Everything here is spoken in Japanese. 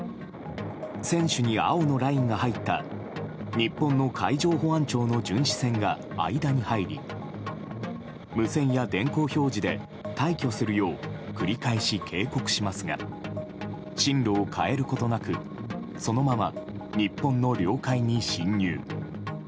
船首に青のラインが入った日本の海上保安庁の巡視船が間に入り無線や電光表示で退去するよう繰り返し警告しますが進路を変えることなくそのまま日本の領海に侵入。